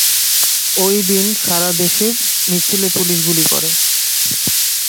ওই দিন সারাদেশে মিছিলে পুলিশ গুলি করে।